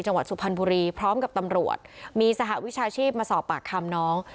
สุพรรณบุรีพร้อมกับตำรวจมีสหวิชาชีพมาสอบปากคำน้อง